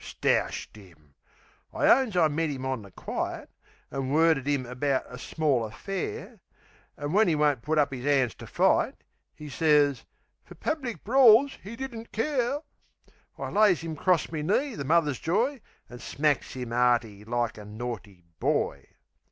Stoushed 'im! I owns I met 'im on the quiet, An' worded 'im about a small affair; An' when 'e won't put up 'is 'ands to fight ('E sez, "Fer public brawls 'e didn't care") I lays 'im 'cross me knee, the mother's joy, An' smacks 'im 'earty, like a naughty boy.